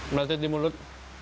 melatih di mulut